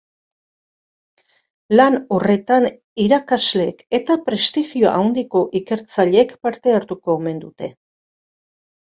Lan horretan irakasleek eta prestigio handiko ikertzaileek parte hartuko omen dute.